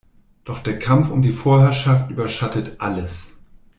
Doch der Kampf um die Vorherrschaft überschattet alles.